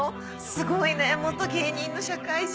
すごいねぇ芸人の社会人。